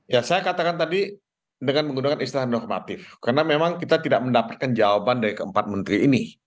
ya saya katakan tadi dengan menggunakan istilah normatif karena memang kita tidak mendapatkan jawaban dari keempat menteri ini